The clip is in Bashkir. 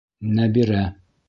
Нәбирә.